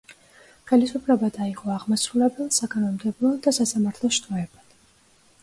ხელისუფლება დაიყო აღმასრულებელ, საკანონმდებლო და სასამართლო შტოებად.